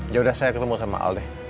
yaudah saya ketemu sama alde